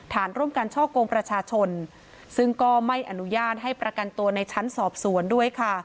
ร่วมการช่อกงประชาชนซึ่งก็ไม่อนุญาตให้ประกันตัวในชั้นสอบสวนด้วยค่ะ